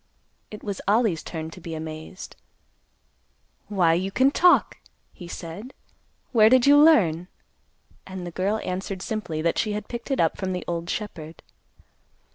It was Ollie's turn to be amazed. "Why you can talk!" he said. "Where did you learn?" And the girl answered simply that she had picked it up from the old shepherd.